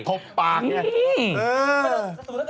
ถูกบางเลย